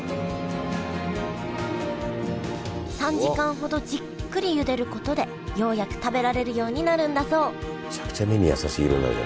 ３時間ほどじっくりゆでることでようやく食べられるようになるんだそう